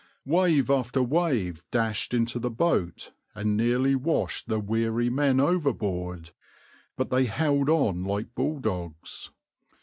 Wave after wave dashed into the boat and nearly washed the wearied men overboard, but they held on like bulldogs.